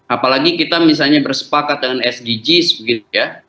apalagi kita misalnya bersepakat dengan sdgs begitu ya